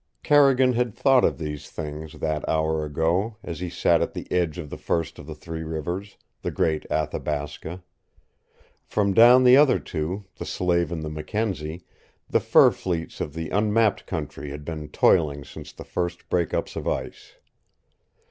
Carrigan had thought of these things that hour ago, as he sat at the edge of the first of the Three Rivers, the great Athabasca. From down the other two, the Slave and the Mackenzie, the fur fleets of the unmapped country had been toiling since the first breakups of ice.